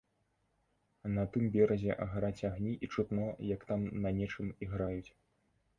На тым беразе гараць агні і чутно, як там на нечым іграюць.